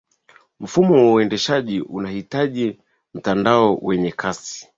mfumo wa uendeshaji unahitaji mtandao wenye kasi